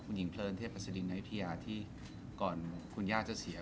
คุณหญิงเพลินเทพศิรินอายุทยาที่ก่อนคุณย่าจะเสีย